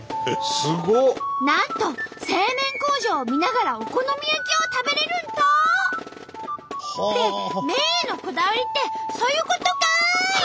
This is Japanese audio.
なんと製麺工場を見ながらお好み焼きを食べれるんと！って麺へのこだわりってそういうことかい！